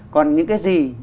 còn những cái gì